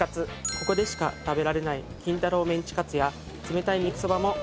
ここでしか食べられない金太郎メンチカツや冷たい肉そばもおすすめです。